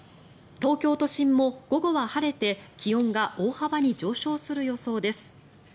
東京都心も午後は晴れて気温が大幅に上昇する予報です。